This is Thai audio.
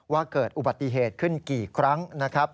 ว่าเกิดอุบัติเหตุขึ้นกี่ครั้งนะครับ